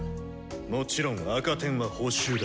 もちろん赤点は補習だ。